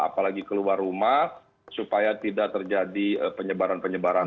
apalagi keluar rumah supaya tidak terjadi penyebaran penyebaran